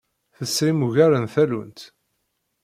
Tesrim ugar n tallunt?